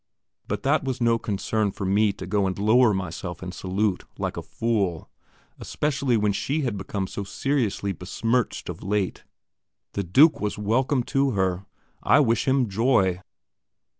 But that was no reason for me to go and lower myself and salute, like a fool, especially when she had become so seriously besmirched of late. "The Duke" was welcome to her; I wish him joy!